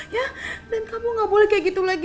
ya dan kamu gak boleh kayak gitu lagi